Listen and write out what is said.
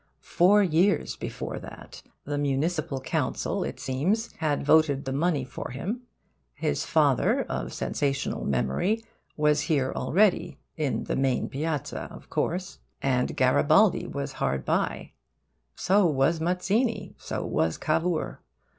Four years before that, the municipal council, it seems, had voted the money for him. His father, of sensational memory, was here already, in the middle of the main piazza, of course. And Garibaldi was hard by; so was Mazzini; so was Cavour.